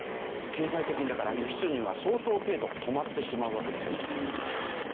経済的にだから輸出入が相当程度止まってしまうわけですよね。